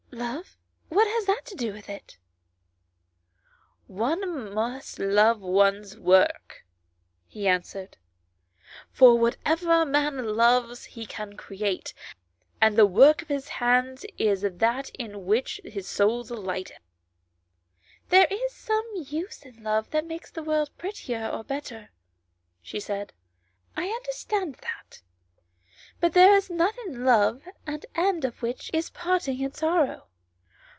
"Love what has that to do with it?" " One must love one's work," he answered. "' For whatever a man loves he can create, and the work of his hands is that in which his soul delighteth.'" " There is some use in love that makes the world prettier or better," she said ;" I understand that, v.] FROM OUTSIDE THE WORLD. 69 but there is none in love the end of which is parting and sorrow."